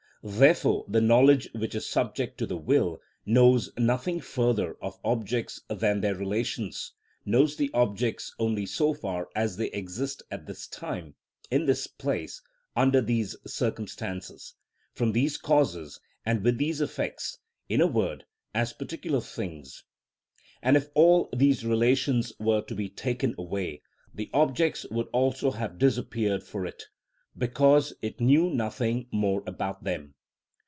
Therefore the knowledge which is subject to the will knows nothing further of objects than their relations, knows the objects only so far as they exist at this time, in this place, under these circumstances, from these causes, and with these effects—in a word, as particular things; and if all these relations were to be taken away, the objects would also have disappeared for it, because it knew nothing more about them.